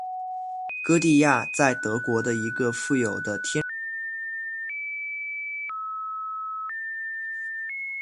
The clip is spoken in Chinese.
歌地亚在德国的一个富有的天主教家庭长大。